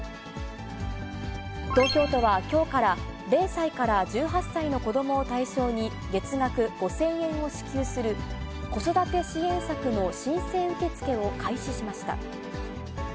東京都はきょうから、０歳から１８歳の子どもを対象に、月額５０００円を支給する、子育て支援策の申請受け付けを開始しました。